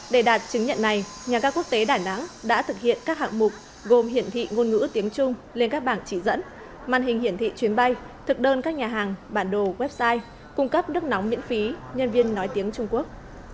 để đạt chứng nhận này nhà ga quốc tế đà nẵng đã thực hiện các hạng mục gồm hiển thị ngôn ngữ tiếng trung lên các bảng chỉ dẫn màn hình hiển thị chuyến bay thực đơn các nhà hàng bản đồ website cung cấp nước nóng miễn phí nhân viên nói tiếng trung quốc